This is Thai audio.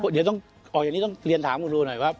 เดี๋ยวต้องเราต้องเรียนถามมานึกหน่อยว่า